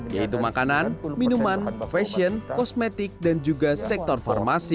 yaitu makanan minuman fashion kosmetik dan juga sektor farmasi